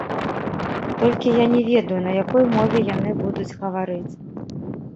Толькі я не ведаю, на якой мове яны будуць гаварыць.